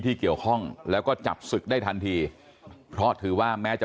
ที่เกี่ยวข้องแล้วก็จับศึกได้ทันทีเพราะถือว่าแม้จะ